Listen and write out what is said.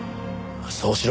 そうしろ。